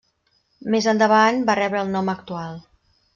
Més endavant va rebre el nom actual.